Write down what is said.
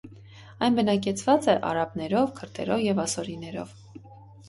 Այն բնակեցված է արաբներով, քրդերով և ասորիներով։